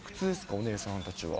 お姉さんたちは。